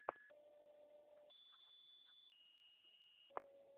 kwenye ndoa yao Alfa Mayanja na Alba Shyne Mayanja Kati ya watoto hao walinaswa